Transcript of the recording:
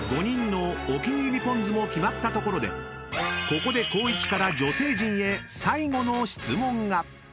［５人のお気に入りぽん酢も決まったところでここで光一から女性陣へ最後の質問が］